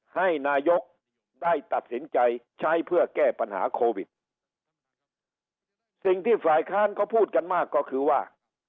ให้นายกได้ตัดสินใจใช้เพื่อแก้ปัญหาโควิดสิ่งที่ฝ่ายค้านเขาพูดกันมากก็คือว่า